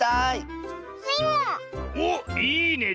おっいいね。